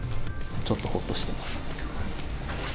ちょっとほっとしてます。